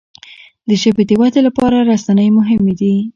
د ژبي د ودې لپاره رسنی مهمي دي.